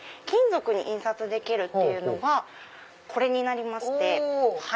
金属に印刷できるっていうのがこれになりまして。